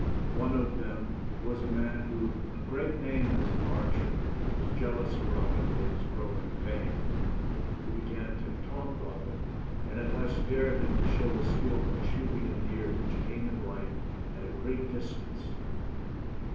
One of them was a man who had a great name as an archer, THE STORY OF ROBIN HOOD. and was jealous of Robin Hood's growing fame. He began to taunt Robin, and at last dared him to show his skill by shooting a deer which came in sight at a great distance.